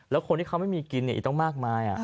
แล้วคนที่เขาไม่มีกินอีกตั้งมากมาย